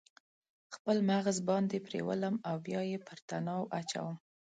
خپل مغز باندې پریولم او بیا یې پر تناو اچوم